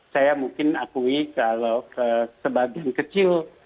saya mungkin akui kalau sebagian kecil